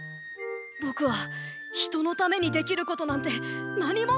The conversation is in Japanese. ぼくはひとのためにできることなんてなにもないんだ！